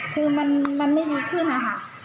คือมันไม่ดีขึ้นนะคะ